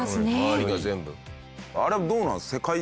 あれどうなんですか？